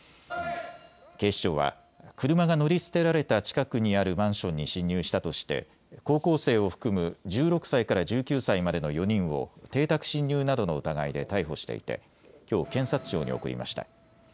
警視庁は車が乗り捨てられた近くにあるマンションに侵入したとして高校生を含む１６歳から１９歳までの４人を邸宅侵入などの疑いで逮捕していてきょう検察庁に送りました。